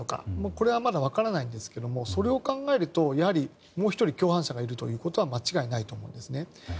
これはまだ分からないんですけれどもそれを考えるともう１人、共犯者がいることは間違いないと思いますね。